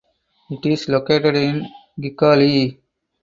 It is located in Kigali.